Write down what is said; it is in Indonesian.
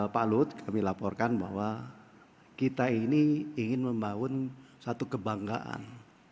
pak lut kami laporkan bahwa kita ini ingin membangun satu kebanggaan